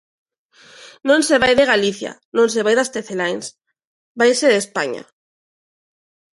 Non se vai de Galicia, non se vai das Teceláns, vaise de España.